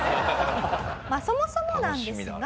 そもそもなんですが。